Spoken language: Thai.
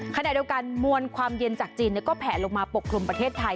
ขณะเดียวกันมวลความเย็นจากจีนก็แผลลงมาปกคลุมประเทศไทย